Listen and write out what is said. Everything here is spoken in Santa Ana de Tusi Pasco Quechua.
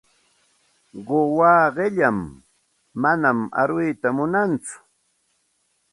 Quwaa qilam, manam aruyta munantsu.